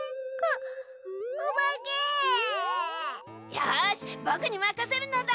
よしぼくにまかせるのだ。